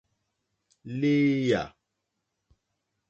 Lééyà.